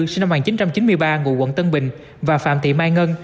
sinh năm một nghìn chín trăm chín mươi ba ngụ quận tân bình và phạm thị mai ngân